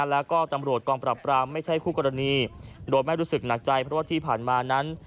แล้วก็ตำรวจกองปรับปรามไม่ใช่คู่กรณีโดยไม่รู้สึกหนักใจเพราะว่าที่ผ่านมานั้น